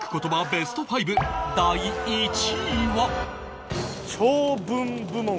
ベスト５第１位は